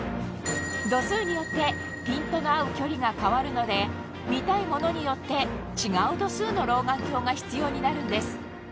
度数によってピントの合う距離が変わるので見たいものによって違う度数の老眼鏡が必要になるんです